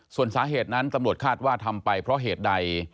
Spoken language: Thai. ส่วนสาเหตุนั้นตำรวจคาดว่าทำไปเพราะเหตุใด